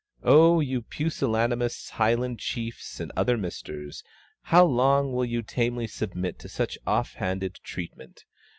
Oh, you pusillanimous Highland chiefs and other misters! how long will you tamely submit to such offhanded treatment?